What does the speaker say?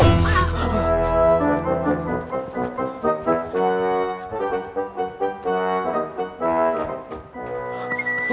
aduh aduh aduh